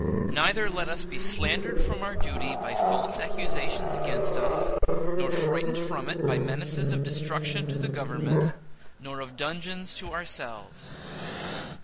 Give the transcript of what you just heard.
Neither let us be slandered from our duty by false accusations against us, nor frightened from it by menaces of destruction to the Government nor of dungeons to ourselves.